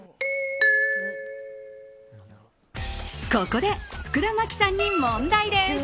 ここで福田麻貴さんに問題です。